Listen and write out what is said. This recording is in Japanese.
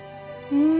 うん！